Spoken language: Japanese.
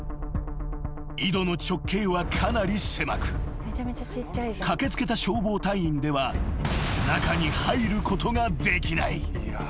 ［井戸の直径はかなり狭く駆け付けた消防隊員では中に入ることができない］